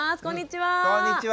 こんにちは！